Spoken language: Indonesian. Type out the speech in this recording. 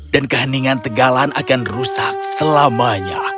dan keheningan tegalan akan rusak selamanya